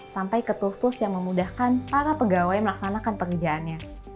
sampai ketulus tulus yang memudahkan para pegawai melaksanakan pekerjaannya